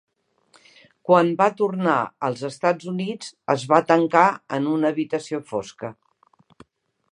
Quan va tornar als Estats Units, es va tancar en una habitació fosca.